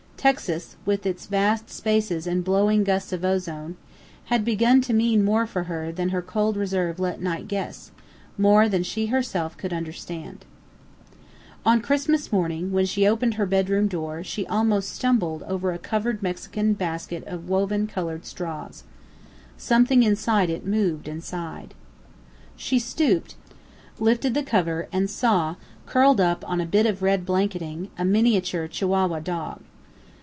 Texas, with its vast spaces and blowing gusts of ozone, had begun to mean more for her than her cold reserve let Knight guess, more than she herself could understand. On Christmas morning, when she opened her bedroom door, she almost stumbled over a covered Mexican basket of woven coloured straws. Something inside it moved and sighed. She stooped, lifted the cover, and saw, curled up on a bit of red blanketing, a miniature Chihuahua dog.